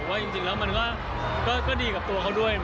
ว่าจริงแล้วมันก็ดีกับตัวเขาด้วย